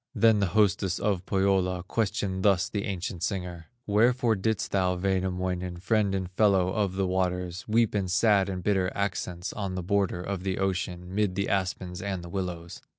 Then the hostess of Pohyola Questioned thus the ancient singer: "Wherefore didst thou, Wainamoinen, Friend and fellow of the waters, Weep in sad and bitter accents, On the border of the ocean, Mid the aspens and the willows?"